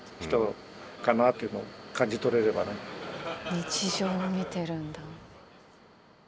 日常を見てるんだ。